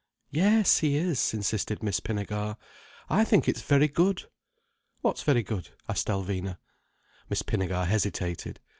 "Yes, he is," insisted Miss Pinnegar. "I think it's very good." "What's very good?" asked Alvina. Miss Pinnegar hesitated.